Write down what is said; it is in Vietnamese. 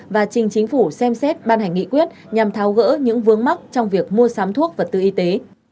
và trình chính phủ xem xét ban hành nghị quyết nhằm tháo gỡ những vướng mắc trong việc mua sám thuốc và tư y tế